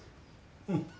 うん。